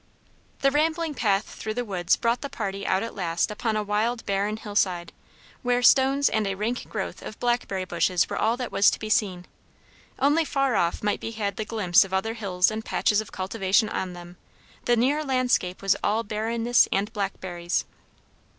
The rambling path through the woods brought the party out at last upon a wild barren hill side, where stones and a rank growth of blackberry bushes were all that was to be seen. Only far off might be had the glimpse of other hills and of patches of cultivation on them; the near landscape was all barrenness and blackberries.